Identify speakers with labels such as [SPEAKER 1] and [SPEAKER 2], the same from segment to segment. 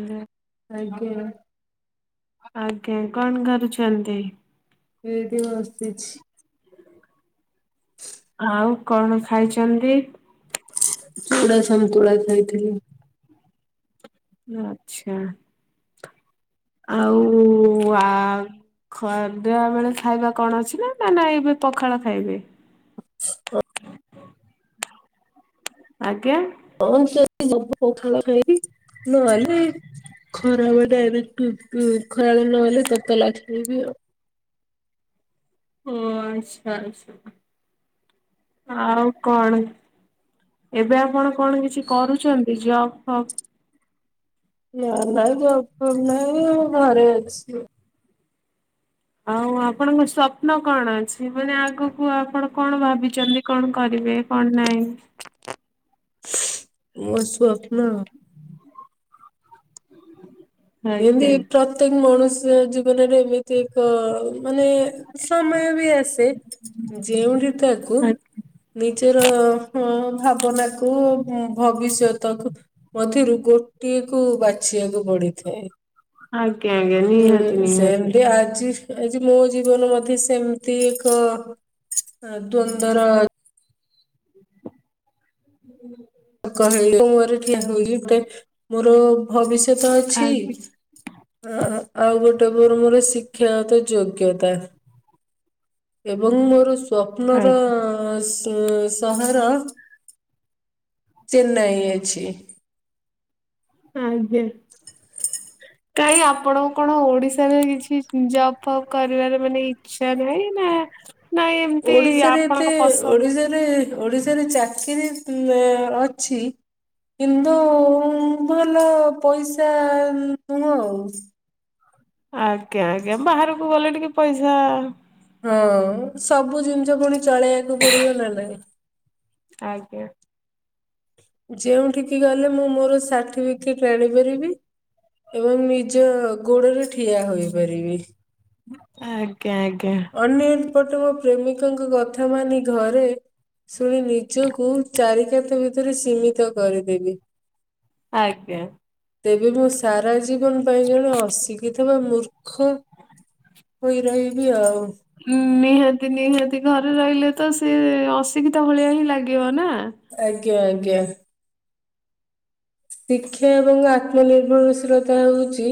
[SPEAKER 1] ଆଲେ।
[SPEAKER 2] ଆଜ୍ଞଆ।
[SPEAKER 1] ଆଜ୍ଞା କଣ କରୁଛନ୍ତି?
[SPEAKER 2] ଏଇଠି ବସିଛି।
[SPEAKER 1] ଆଉ କଣ ଖାଇଛନ୍ତି?
[SPEAKER 2] ଚୁଡା ସନ୍ତୋଳା ଖାଇଥିଲି।
[SPEAKER 1] ଆଛା ଆଉ ଆ ଖଦା ବେଳେ ଖାଇବା କଣ ଅଛି ନା ନା ନା ଏବେ ପଖାଳ ଖାଇବେ? ଆଜ୍ଞା।
[SPEAKER 2] ହଁ ସେ ଗୋଦେ ପଖାଳ ଖାଇକି ନହଲେ ଖରା ବ ଡାଇରେକ୍ଟ ଖରାବେ ନହେଲେ ତତକା ଲଖବି ଆଉ।
[SPEAKER 1] ଓ ଆଚ୍ଛା ଆଛା ଆଉ କଣ? ଏବେ ଆପଣ କଣ କିଛି କରୁଛନ୍ତି ଜବ୍ ଫବ୍?
[SPEAKER 2] ଏ ଜପ ନା ଘରେ ଅଛି।
[SPEAKER 1] ଆଉ ଆପଣଙ୍କ ସ୍ୱପ୍ନ କଣ ଅଛି, ମାନେ ଆଗକୁ ଆପଣ କଣ ଭାବିଛନ୍ତି। କଣ କରିବେ କଣ ନାହିଁ?
[SPEAKER 2] ମୋ ସ୍ବପ୍ନ ଏମତି
[SPEAKER 1] ଆଜ୍ଞା।
[SPEAKER 2] ପ୍ରତ୍ୟେକ ମଣିୁଷ୍ୟ ଜୀବନରେ ଏମିତି ଏ ଏକ ମାନେ ସମୟ ବି ଆସେ। ଯେଉଠି ତାକୁ ନିଜର ଭାବନା କୁ ଭବିଷ୍ୟତକୁ ମଧ୍ୟରୁ ଗୋଟିଏ କୁ ବାଛିବାକୁ ପଡିଥାଏ।
[SPEAKER 1] ଆଜ୍ଞ ଆଜ୍ଞା ନିହାତି
[SPEAKER 2] ହୁଁ
[SPEAKER 1] ନିହାତି।
[SPEAKER 2] ସେମିତି ଆଜି ଆଜି ମୋ ଜୀବନ ମତେ ସେମିତି ଏକ ଦ୍ୱନ୍ଦ୍ୱ ର
[SPEAKER 1] ହୁଁ।
[SPEAKER 2] କହିଲି ମୁଛି ଗୋଟେ ମୋର ଭବିଷ୍ୟତ ଅଛି।
[SPEAKER 1] ଆଜ୍ଞା
[SPEAKER 2] ଆଉ ଗୋଟେ ମୋର ମୋର ଶିକ୍ଷାତ ଯୋଗ୍ୟତା। ଏବଂ ମୋର ସପ୍ନର
[SPEAKER 1] ଆଜ୍ଞା।
[SPEAKER 2] ସହର ଚେନ୍ନାଇ ଅଛି।
[SPEAKER 1] ଆଜ୍ଞା। କାଇଁ ଆପଣଙ୍କୁ କଣ ଓଡିଶାରେ କିଛି ଜବ୍ ଫବ୍ କରିବାରେ ମାନେ ଇ ଚ୍ ଇଚ୍ଛା ନାଇଁ ନା ନାଇଁ ଏମିତି
[SPEAKER 2] ଓଡିଶାରେ
[SPEAKER 1] ଆପଣଙ୍କ
[SPEAKER 2] ଏତେ
[SPEAKER 1] ପସନ୍ଦ
[SPEAKER 2] ଓଡିଶାରେ ଓଡିଶାରେ ଚାକିରି ଅଛି କିନ୍ତୁ ଉଁ ଭଲ ପଇସା ନୁହଁ।
[SPEAKER 1] ଆଜ୍ଞା ଆଜ୍ଞା ବାହାରକୁ ଗଲେ ଟିକେ ପଇସା
[SPEAKER 2] ହଁ ସବୁ ଜିନିଷ ପୁଣି ଚଳେଇବାକୁ ପଡିବ ନା ନାଇଁ?
[SPEAKER 1] ଆଜ୍ଞା
[SPEAKER 2] ଯେଉଁଠିକି ଗଲେ ମୁଁ ମୋର ସାର୍ଟିଫିକେଟ୍ ଆଣିପାରିବି। ଏବଂ ନିଜ ଗୋଡରେ ଠିଆ ହୋଇପାରିବି।
[SPEAKER 1] ଆଜ୍ଞା ଆଜ୍ଞା
[SPEAKER 2] ଅନ୍ୟପଟେ ମୋ ପ୍ରେମିକଙ୍କ କଥା ମାନି ଘରେ ଶୁଣି ନିଜକୁ ଚାରି କାନ୍ଥ ଭିତରେ ସୀମିତ କରିଦେବି।
[SPEAKER 1] ଆଜ୍ଞା
[SPEAKER 2] ତେବେ ମୁଁ ସାରା ଜୀବନ ପାଇଁ ଜଣେ ଅଶିଖିତ ବା ମୂର୍ଖ ହୋଇ ରହିବି ଆଉ।
[SPEAKER 1] ନିହାତି ନିହାତି ଘରେ ରହିଲେ ତ ସେ ଅଶିକ୍ଷିିତା ଭଳିଆ ହିଁ ଲାଗିବ ନା?
[SPEAKER 2] ଆଜ୍ଞା ଆଜ୍ଞା। ଶିକ୍ଷା ଏବଂ ଆତ୍ମନିର୍ଭରଶୀଳତା ହଉଛି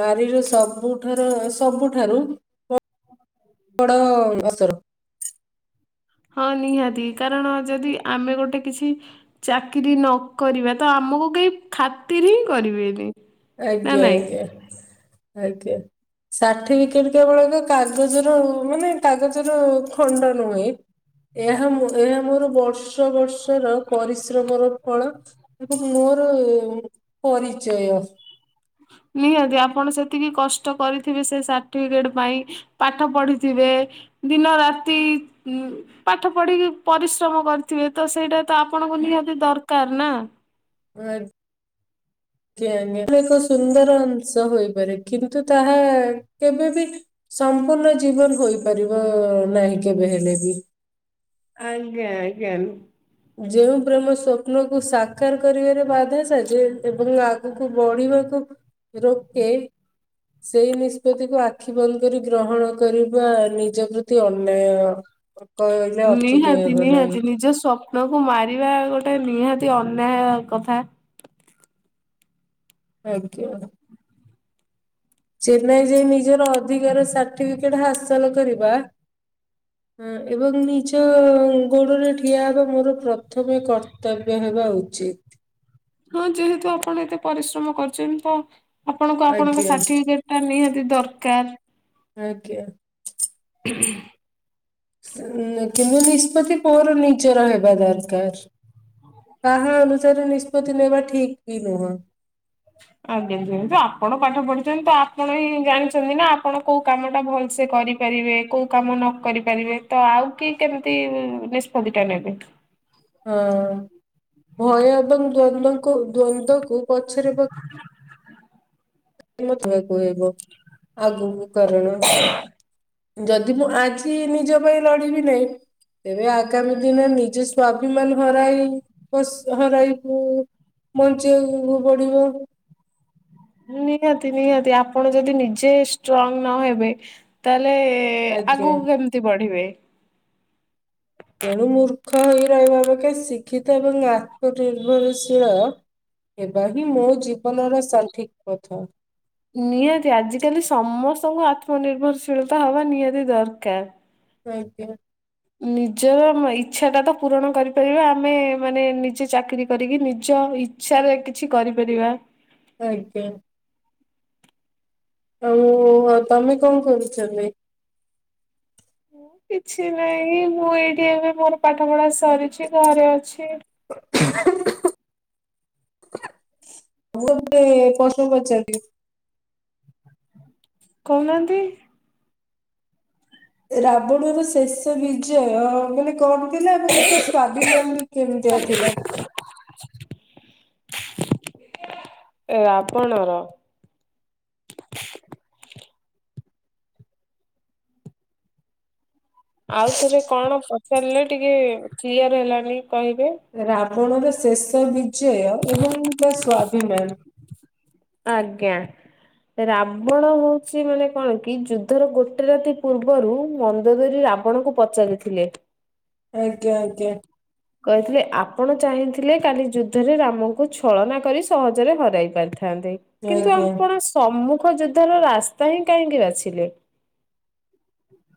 [SPEAKER 2] ନାରୀର ସବୁଠାରୁ ସବୁଠାରୁ ବଡ ଅସର।
[SPEAKER 1] ହଁ ନିହାତି କାରଣ ଯଦି ଆମେ ଗୋଟେ କିଛି ଚାକିରିୀ ନକରିବା ତ ଆମକୁ କେହି ଖାତିର ହିଁ କରିବେନି। ନା
[SPEAKER 2] ଆଜ୍ଞା
[SPEAKER 1] ନାଇଁ।
[SPEAKER 2] ଆଜ୍ଞା ଆଜ୍ଞା ଷାଠିିପିକେଟ କେବଳ କାଗଜର ମାନେ କାଗଜର ଖଣ୍ଡ ନୁହେ। ଏହା ଏହା ମୋର ବର୍ଷ ବର୍ଷର ପରିଶ୍ରମର ଫଳ। ଏବଂ ମୋର ପରିଚୟ।
[SPEAKER 1] ନିହାତି ଆପଣ ସେତିକି କଷ୍ଟ କରିଥିବେ ସେ ସାର୍ଟିଫିକେଟ ପାଇଁ। ପାଠ ପଢିଥିବେ ଦିନ ରାତି ଇଁ ପାଠ ପଢିକି ପରିଶ୍ରମ କରିଥିବେ ତ ସେଇଟା ତ ଆପଣଙ୍କୁ ନିହାତି ଦରକାର ନା।
[SPEAKER 2] [unintelligible] ଆ ଏକ ସୁନ୍ଦର ଅଂଶ ହୋଇପାରେ କିନ୍ତୁ ତାହା କେବେବି ସମ୍ପୂର୍ଣ୍ଣ ଜୀବନ ହୋଇପାରିବ ନାହିଁ କେବେ ହେଲେ ବି।
[SPEAKER 1] ଆଜ୍ଞା ଆଜ୍ଞା।
[SPEAKER 2] ଯୋଉ ପ୍ରେମ ସ୍ଵପ୍ନକୁ ସା ସାକାର କରିବାରେ ବାଧା ସାଜେ ଏବଂ ଆଗକୁ ବଢିବାକୁ ରୋକେ। ସେଇ ନିଷ୍ପତ୍ତିକୁ ଆଖି ବନ୍ଦ କରି ଗ୍ରହଣ କରିବା ନିଜ ପ୍ରତି ଅନ୍ୟାୟ। କହିଲେ ଅଚ୍ୟୁତ
[SPEAKER 1] ନିହାତି
[SPEAKER 2] ହେବ ନାହିଁ
[SPEAKER 1] ନିହାତି ନିଜ ସ୍ୱପ୍ନ ନକୁ ମାରିବା ଗୋଟେ ନିହାତି ଅନ୍ୟାୟ କଥା।
[SPEAKER 2] ଆଜ୍ଞା। ଚେନ୍ନାଇ ଯାଇ ନିଜର ଅଧିକାର ସାର୍ଟିଫିକେଟ ହାସଲ କରିବା ଏବଂ ନିଜ ଗୋଡ଼ରେ ଠିଆ ହେବା ମୋର ପ୍ରଥମେ କର୍ତ୍ତବ୍ୟ ହେବା ଉଚିତ୍।
[SPEAKER 1] ହଁ ଯେହେତୁ ଆପଣ ଏତେ ପରିଶ୍ରମ କରୁଛନ୍ତି ତ ଆପଣଙ୍କୁ ଆପଣଙ୍କ
[SPEAKER 2] ଆଜ୍ଞା
[SPEAKER 1] ସାର୍ଟିଫିକେଟ ଟା ନିହାତି ଦରକାର।
[SPEAKER 2] ଆଜ୍ଞା।
[SPEAKER 1] [inaudible]
[SPEAKER 2] କିନ୍ତୁ ନିଷ୍ପତ୍ତି ପୁଅର ନିଜର ହେବା ଦରକାର। କାହା ଅନୁସାରେ ନିଷ୍ପତ୍ତି ନେବା ଠିକ ବି ନୁହଁ।
[SPEAKER 1] ଆଜ୍ଞା ଯେହେତୁ ଆପଣ ପାଠ ପଢିଛନ୍ତି ତ ଆପଣ ହିଁ ଜାଣିଛନ୍ତି ନା ଆପଣ କୋଉ କାମ ଟା ଭଲସେ କରିବେ। ପାରିବେ କୋଉ କାମ ନ କରି ପାରିବେ ତ ଆଉ କି କେମିତି ନିଷ୍ପତି ଟା ନେବେ।
[SPEAKER 2] ହଁ ଭୟ ଏବଂ ଦ୍ଵନ୍ଦକୁ ଦ୍ଵନ୍ଦକୁ ପଛରେ ପ
[SPEAKER 1] [inaudible]
[SPEAKER 2] ମଧୁଆକୁହବ ଆଗକୁ କାରଣ। ଯଦି ମୁଁ ଆଜି ନିଜ ପାଇଁ ଲଢିବି ନାହିଁ ତେବେ ଆଗାମୀ ଦିନ ନିଜେ ସ୍ୱାଭିମାନ ହରାଇ ବସ୍ ହରାଇକୁ ବଞ୍ଚିବାକୁ ପଡ଼ିବ।
[SPEAKER 1] ନିହାତି ନିହାତି ଆପଣ ଯଦି ନିଜେ ଷ୍ଟ୍ରଙ୍ଗ ନହବେ ତାହେଲେ ଏ ଆଗକୁ
[SPEAKER 2] ଆଜ୍ଞା
[SPEAKER 1] କେମିତି ବଢିବେ
[SPEAKER 2] ତେଣୁ ମୂର୍ଖ ହେଇ ରହିବା ଅପେକ୍ଷା ଶିକ୍ଷିତ ଏବଂ ଆତ୍ମନିର୍ଭରଶୀଳ ଏବା ହିଁ ମୋ ଜୀବନର ସଠିକ ପଥ।
[SPEAKER 1] ନିହାତି ଆଜିକାଲି ସମସ୍ତଙ୍କୁ ଆତ୍ମ ନିିର୍ଭରଶୀଳତା ହବା ନିହାତି ଦରକାର।
[SPEAKER 2] ଆଜ୍ଞା।
[SPEAKER 1] ନିଜର ଇଛା ଟା ତ ପୂରଣ କରିପାରିବା ଆମେ ମାନେ ନିଜେ ଚାକିରୀ କରିକି ନିଜ ଇଛା ରେ କିଛି କରିପାରିବା।
[SPEAKER 2] ଆଜ୍ଞା। ଆଉ ତମେ କଣ କରୁଛ ଏବେ?
[SPEAKER 1] କିଛି ନାହିଁ ମୁଁ ଏଇଠି ଏବେ ମୋର ପାଠ ପଢ଼ା ସରିଛି ଘରେ ଅଛି।
[SPEAKER 2] [unintelligible] ମୁଁ ଗୋଟେ ପ୍ରଶ୍ନ ପଚାରିଲି।
[SPEAKER 1] କହୁନାହାନ୍ତି।
[SPEAKER 2] ରାବଣ ର ଶେଷ ବିଜୟ କଣ [unintelligible] ଥିଲା ଏବଂ ସେ ସ୍ଵାଭିମାନ ବି କେମିତିଆ ଥିଲା।
[SPEAKER 1] ଏ ରାବଣର। ଆଉଥରେ କଣ ପଚାରିଲେ ଟିକେ କ୍ଲିୟର ହେଲାନି କହିବେ।
[SPEAKER 2] ରାବଣର ଶେଷ ବିଜୟ ଏବଂ ତା ସ୍ୱାଭିମାନ।
[SPEAKER 1] ଆଜ୍ଞା। ରାବଣ ହଉଛି ମାନେ କଣ କି ଯୁଦ୍ଧର ଗୋଟେ ରାତି ପୂର୍ବରୁ ମନ୍ଦ ଧରି ରାବ ଆପଣଙ୍କୁ ପଚାରିଥିଲେ।
[SPEAKER 2] ଆଜ୍ଞା ଆଜ୍ଞା।
[SPEAKER 1] କହିଥିଲେ ଆପଣ ଚାହିଁଥିଲେ କାଲି ଯୁଦ୍ଧରେ ରାମକୁ ଛଳନା କରି ସହଜରେ ହରାଇ ପାରିଥାନ୍ତେ। କିନ୍ତୁ
[SPEAKER 2] ଆଜ୍ଞା
[SPEAKER 1] ଆପଣ ସମ୍ମୁଖ ଯୋଦ୍ଧାର ରାସ୍ତା ହିଁ କାହିଁକି ବାଛିଲେ।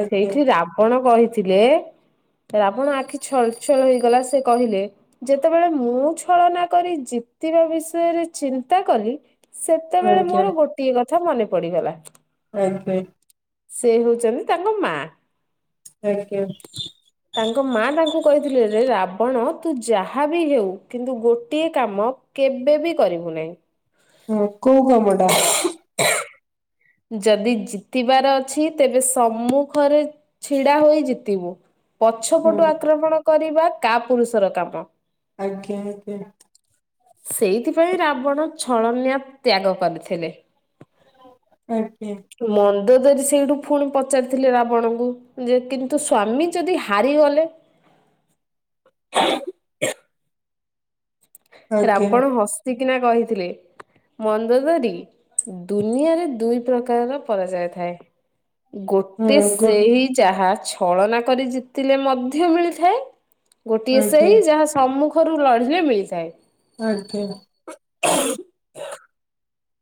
[SPEAKER 2] ଆଜ୍ଞା
[SPEAKER 1] ସେଇଠି ରାବଣ କହିଥିଲେ ରାବଣ ଆଖି ଛଳ ଳ ହେଇଗଲା ସେ କହିଲେ। ଯେତେବେଳେ ମୁଁ ଛଳନା କରି ଜିତିବା ବିଷୟରେ ଚିନ୍ତା କଲି ସେତେବେଳେ
[SPEAKER 2] ଆଜ୍ଞା
[SPEAKER 1] ମୋର ଗୋଟିଏ କଥା ମନେ ପଡିଗଲା।
[SPEAKER 2] ଆଜ୍ଞ [unintelligible]
[SPEAKER 1] ସେ ହଉଛନ୍ତି ତାଙ୍କ ମା।
[SPEAKER 2] ଥ୍ୟାଙ୍କୟୁ [unintelligible]
[SPEAKER 1] ତାଙ୍କ ମା ତାଙ୍କୁ କହିଥିଲେ ରେ ରାବଣ ତୁ ଯାହା ବିି ହେଉ କିନ୍ତୁ ଗୋଟିଏ କାମ କେବେ ବି କରିବୁ ନାହିଁ।
[SPEAKER 2] ହଁ କୋଉ କାମଟା?
[SPEAKER 1] ଯଦି ଜିତିବାର ଅଛି ତେବେ ସମ୍ମୁଖରେ ଛିଡା ହୋଇ ଜିତିବୁ ପଛ ପଟୁ
[SPEAKER 2] ହଁ
[SPEAKER 1] ଆକ୍ରମଣ କରିବା କା ପୁରୁଷର କାମ।
[SPEAKER 2] ଆଜ୍ଞା ଆଜ୍ଞା।
[SPEAKER 1] ସେଇଥିପାଇଁ ରାବଣ ଛଳନିଆ ତ୍ୟାଗ କରିଥିଲେ।
[SPEAKER 2] ଆଜ୍ଞା।
[SPEAKER 1] ମନ୍ଦ ଧରି ସେଇଠୁ ପୁଣି ପଚାରିଥିଲେ ରାବଣଙ୍କୁ ଯେ କିନ୍ତୁ ସ୍ଵାମୀ ଯଦି ହାରିଗଲେ
[SPEAKER 2] [inaudible] ଆଜ୍ଞା
[SPEAKER 1] ରାବଣ ହସିକିନା କହିଥିଲେ ମନ୍ଦ ଧରି ଦୁନିଆରେ ଦୁଇ ପ୍ରକାରର ପରାଜୟ ଥାଏ।
[SPEAKER 2] ହଁ
[SPEAKER 1] ଗୋଟେ
[SPEAKER 2] ଗୋ
[SPEAKER 1] ସେଇ ଯାହା ଛଳନା କରି ଜିତିଲେ ମଧ୍ୟ ମିଳିଥାଏ ଗୋଟିଏ
[SPEAKER 2] ଆଜ୍ଞା
[SPEAKER 1] ସେଇ ଯାହା ସମ୍ମୁଖରୁ ଲଢିଲେ ମିଳିଥାଏ।
[SPEAKER 2] ଆଜ୍ଞା।
[SPEAKER 1] [unintelligible]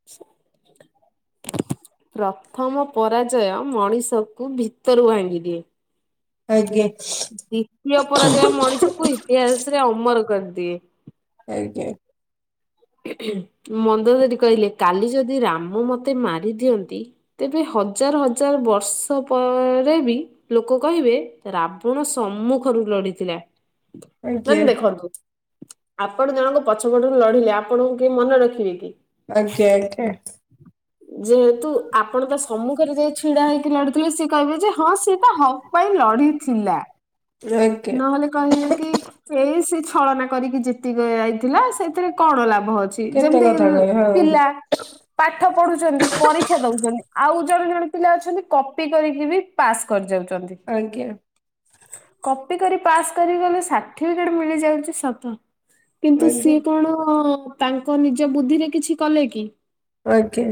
[SPEAKER 1] ପ୍ରଥମ ପରାଜୟ ମଣିଷକୁ ଭିତରୁ ଭାଙ୍ଗିଦିଏ।
[SPEAKER 2] ଆଜ୍ଞା।
[SPEAKER 1] ଦ୍ଵିତୀୟ ପରାଜୟ ମଣିଷକୁ ଇତିହାସରେ ଅମର କରିଦିଏ।
[SPEAKER 2] ଆଜ୍ଞା।
[SPEAKER 1] ଖୁଁ ଖୁଁ ମନ୍ଦ ଦରି କହିଲେ କାଲି ଯଦି ରାମ ମତେ ମାରି ଦିଅନ୍ତି ତେବେ ହଜାର ହଜାର ବର୍ଷ ପରେ ବି ଲୋକ କହିବେ ରାବଣ ସମ୍ମୁଖରୁ ଲଢିଥିଲା। ମେମ୍
[SPEAKER 2] ଆଜ୍ଞା
[SPEAKER 1] ଦେଖନ୍ତୁ ଆପଣ ଜଣକ ପଛ ପଟରୁ ଲଢିଲେ ଆପ୍ ଆପଣଙ୍କୁ କିଏ ମନ ରଖିବେ କି?
[SPEAKER 2] ଆଜ୍ଞା ଆଜ୍ଞା।
[SPEAKER 1] ଯେହେତୁ ଆପଣ ତା ସମ୍ମୁଖରେ ଯାଇ ଛିଡା ହେଇକି ଲଢୁଥିଲେ ସିଏ କହିବେ ଯେ ହଁ ସିଏ ତା ହକ୍ ପାଇଁ ଲଢିଥିଲା।
[SPEAKER 2] ଜାଇକେ- [unintelligible]
[SPEAKER 1] କହିଲେ କି ଏଇ ସେ ଛଳନା କରିକି ଜିତି ଯାଇଥିଲା ସେଥିରେ କଣ ଲାଭ ଅଛି।
[SPEAKER 2] କେତେ
[SPEAKER 1] ଯେମିତିକି
[SPEAKER 2] କଥା
[SPEAKER 1] ମୁଁ
[SPEAKER 2] କହି ହଁ
[SPEAKER 1] ପିଲା। ପାଠ ପଢୁଛନ୍ତି ପରୀକ୍ଷା ଦଉଛନ୍ତି ଆଉ ଜଣେ ଜଣେ ପିଲା ଅଛନ୍ତି କପି କରିକି ବି ପାସ୍ କରି ଯାଉଛନ୍ତି।
[SPEAKER 2] ଆଜ୍ଞା।
[SPEAKER 1] କପି କରି ପାସ୍ କରି ଗଲେ ସାର୍ଟିଫିକେଟ ମିଳିଯାଉଛି ସତ। କିନ୍ତୁ
[SPEAKER 2] ଆଜ୍ଞା
[SPEAKER 1] ସିଏ କଣ ତାଙ୍କ ନିଜ ବୁଦ୍ଧିରେ କିଛି କଲେ କି?
[SPEAKER 2] ଆଜ୍ଞା।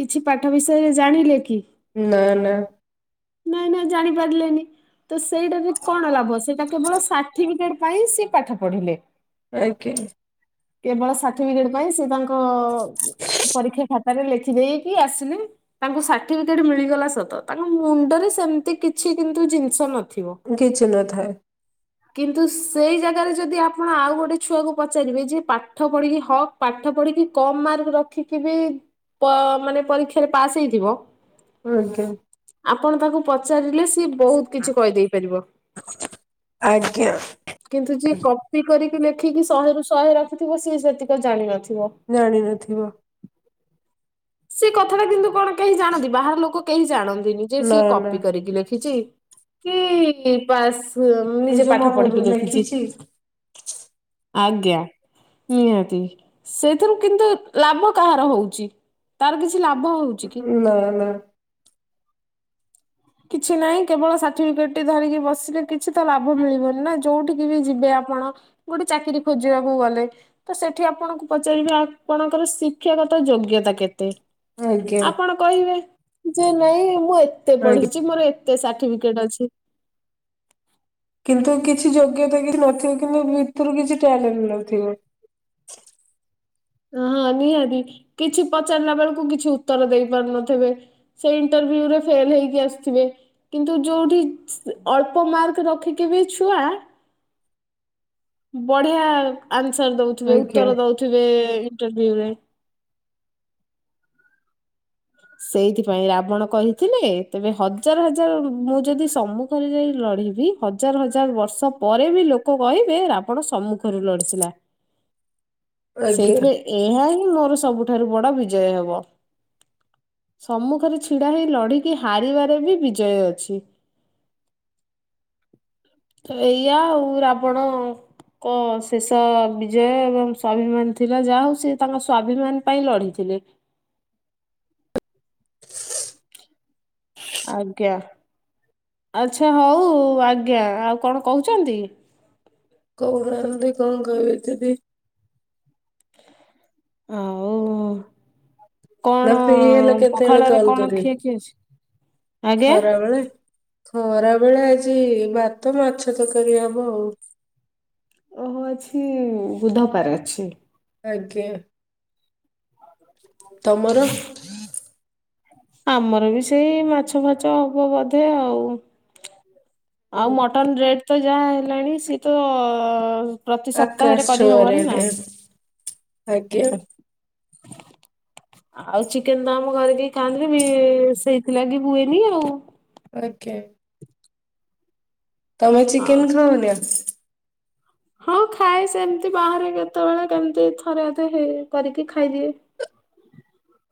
[SPEAKER 1] କିଛି ପାଠ ବିଷୟରେ ଜାଣିଲେ କି?
[SPEAKER 2] ନା ନା।
[SPEAKER 1] ନାଇଁ ନାଇଁ ଜାଣି ପାରିଲେନି। ତ ସେଇଟାରେ କଣ ଲାଭ ସେଇଟା କେବଳ ସାର୍ଟିଫିକେଟ ପାଇଁ ସେ ପାଠ ପଢିଲେ।
[SPEAKER 2] ଆଜ୍ଞା।
[SPEAKER 1] କେବଳ ସାର୍ଟିଫିକେଟ ପାଇଁ ସେ ତାଙ୍କ ଅ ପରୀକ୍ଷା ଖାତାରେ ଲେଖି ଦେଇକି ଆସିଲେ। ତାଙ୍କୁ ସାର୍ଟିଫିକେଟ ମିଳିଗଲା ସତ ତାଙ୍କ ମୁଣ୍ଡରେ ସେମତି କିଛି କିନ୍ତୁ ଜିନିଷ ନ-
[SPEAKER 2] କିଛି ନଥାଏ।
[SPEAKER 1] କିନ୍ତୁ ସେଇ ଜାଗାରେ ଯଦି ଆପଣ ଆଉ ଗୋଟେ ଛୁଆକୁ ପଚାରିବେ ଯେ ପାଟ୍- ପାଠ ପଢିକି ହକ୍ ପାଠ ପଢିକି କମ୍ ମାର୍କ ରଖିକି ବି- ପ ମାନେ ପରୀକ୍ଷାରେ ପାସ୍ ହେଇଥିବ?
[SPEAKER 2] ଆଜ୍ଞା।
[SPEAKER 1] ଆପଣ ତାକୁ ପଚାରିଲେ ସିଏ ବହୁତ୍ କିଛି କହିଦେଇ ପାରିବ।
[SPEAKER 2] ଆଜ୍ଞା
[SPEAKER 1] କିନ୍ତୁ ଯିଏ କପି କରିକି ଲେଖିକି ଶହେରୁ ଶହେ ରଖିଥିବ ସିଏ ସେତିକ ଜାଣିନଥିବ।
[SPEAKER 2] ଜାଣି ନଥିବ।
[SPEAKER 1] ସେ କଥା ଟା କିନ୍ତୁ କଣ କେହି ଜାଣନ୍ତି ବାହାର ଲୋକ କେହି ଜାଣନ୍ତିନି। ଯେ
[SPEAKER 2] ନା
[SPEAKER 1] ସିଏ
[SPEAKER 2] ନା
[SPEAKER 1] କପି କରିକି ଲେଖିଛି କି ପାସ୍। କି ନିଜେ
[SPEAKER 2] ନିଜ
[SPEAKER 1] ପାଠ
[SPEAKER 2] ମନରୁ
[SPEAKER 1] ପଢିକି ଲେଖିଛି। ଆଜ୍ଞା ନିହାତି, ସେଥିରୁ କିନ୍ତୁ ଲାଭ କାହାର ହଉଛି? ତାର କିଛି ଲାଭ ହଉଚ କି?
[SPEAKER 2] ନା ନା।
[SPEAKER 1] କିଛି ନାହିଁ କେବଳ ସାର୍ଟିଫିକେଟ ଧରିକି ବସିଲେ କିଛି ତ ଲାଭ ମିଳିବନି ନା ଯୋଉଠିକି ବି ଯିବେ ଆପଣ ଗୋଟେ ଚାକିରି ଖୋଜିବାକୁ ଗଲେ। ତ ସେଠି ଆପଣଙ୍କୁ ପଚାରିବେ ଆପଣଙ୍କର ଶିକ୍ଷାଗତ ଯୋଗ୍ୟତା କେତେ?
[SPEAKER 2] ଆଜ୍ଞା
[SPEAKER 1] ଆପଣ କହିବେ ଯେ ନାଇଁ ମୁଁ ଏତେ ପଢି-
[SPEAKER 2] ଆଜ୍ଞା
[SPEAKER 1] କି ମୋର ଏତେ ସାର୍ଟିଫିକେଟ ଅଛି।
[SPEAKER 2] କିନ୍ତୁ କିଛି ଯୋଗ୍ୟତା କିଛି ନଥିବ କିନ୍ତୁ ଭିତରୁ କିଛି ଟ୍ୟାଲେଣ୍ଟ ନଥିବ।
[SPEAKER 1] ହଁ ହଁ ନିହାତି କିଛି ପଚାରିଲା ବେଳକୁ କିଛି ଉତ୍ତର ଦେଇ ପାରୁନଥିବେ। [unintelligible] କିନ୍ତୁ ଯଉଠି ଅଳ୍ପ ମାର୍କ ରଖିକି ବି ଛୁଆ
[SPEAKER 2] ଆଜ୍ଞା
[SPEAKER 1] [unintelligible] [unintelligible] ହଜାର ହଜାର ବର୍ଷ ପରେ ବି ଲୋକ କହିବେ ରାବଣ ସମ୍ମୁଖରୁ ଲଢିଥିଲା।
[SPEAKER 2] ଆଜ୍ଞା
[SPEAKER 1] ସେଇଥିପାଇଁ ଏହା ହିଁ ମୋର ସବୁଠାରୁ ବଡ ବିଜୟ ହବ। ସମ୍ମୁଖରେ ଛିଡା ହେଇ ଲଢିକି ହାରିବାରେ ବି ବିଜୟ ଅଛି। ଏଇଆ ଆଉ ରାବଣ ଏକ ଶେଷ ବିଜୟ ଏବଂ ସ୍ୱାଭିମାନ ଥିଲା ଯାହା ହଉ ସେ ତାଙ୍କ ସ୍ୱାଭିମାନ ପାଇଁ ଲଢ଼ିଥିଲେ। ଆଜ୍ଞା ଆଚ୍ଛା ହଉ ଆଜ୍ଞା ଆଉ କଣ କହୁଛନ୍ତି?
[SPEAKER 2] [unintelligible]
[SPEAKER 1] ହଉ।
[SPEAKER 2] ନା ଫ୍ରି ହେଲେ କେତେବେଳେ
[SPEAKER 1] ପଖାଳରେ
[SPEAKER 2] କଲ
[SPEAKER 1] କଣ ଖିଆ
[SPEAKER 2] କରିବେ,
[SPEAKER 1] ଖିଇ ଅଛି? ଆଜ୍ଞା।
[SPEAKER 2] ଖରା ବେଳେ। ଖରା ବେଳେ ଆଜି ଭାତ ମାଛ ତରକାରୀ ହବ ଆଉ।
[SPEAKER 1] ଓହୋ ଅଛି ବୁଧପାର ଅଛି।
[SPEAKER 2] ଆଜ୍ଞା। ତମର?
[SPEAKER 1] [unintelligible] ଆମର ବି ସେଇ ମାଛ ଫାଛ ହବ ବୋଧେ ଆଉ। ଆଉ
[SPEAKER 2] ହୁଁ,
[SPEAKER 1] ମଟନ ରେଟ ତ ଯାହା ହେଲାଣି ସିଏ ତ ପ୍ରତି ସପ୍ତାହରେ
[SPEAKER 2] ଆକାଶ ଛୁଆଁ
[SPEAKER 1] କରିହବନି ନା।
[SPEAKER 2] ରେଟ୍ ଆଜ୍ଞା।
[SPEAKER 1] ଆଉ ଚିକେନ ତ ଆମ ଘରେ କେହି ଖାଆନ୍ତିନି ସେଇଥିଲାଗି ହୁଏନି ଆଉ।
[SPEAKER 2] ଓକେ। ତମେ ଚିକେନ
[SPEAKER 1] ହଁ।
[SPEAKER 2] ଖାଅନା?
[SPEAKER 1] ହଁ ଖାଏ ସେମିତି ବାହାରେ କେତେବେଳେ କେମତି ଥରେଅଧେ ହେଇ କରିକି ଖାଇଦିଏ।